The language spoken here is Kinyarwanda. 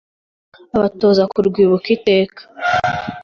Abatoza kurwibuka iteka